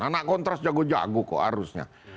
anak kontras jago jago kok harusnya